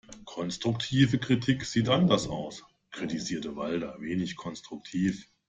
Konstruktive Kritik sieht anders aus, kritisierte Walter wenig konstruktiv.